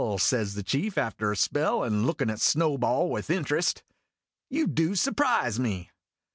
" says the chief, after a spell, and lookin' at Snow ball with int'rest. " You do surprise me."